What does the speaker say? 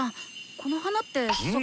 この花ってさく。